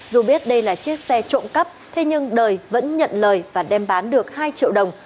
dù biết đây là chiếc xe trộm cắp thế nhưng đời vẫn nhận lời và đem bán được hai triệu đồng